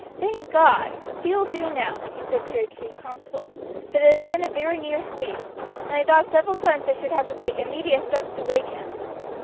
"Thank God! he will do now," he said to the chief constable; "but it has been a very near squeak, and I thought several times I should have to take immediate steps to wake him.